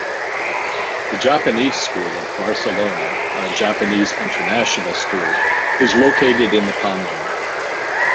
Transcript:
The Japanese School of Barcelona, a Japanese international school, is located in the commune.